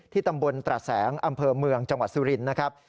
ตำบลตระแสงอำเภอเมืองจังหวัดสุรินทร์นะครับ